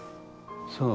そう。